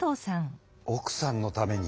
おくさんのために。